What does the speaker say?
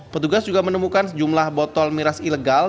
petugas juga menemukan sejumlah botol miras ilegal